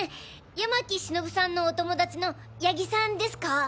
山喜忍さんのお友達の谷木さんですか？